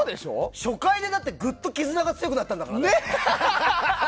初回で、ぐっと絆が強くなったんだから。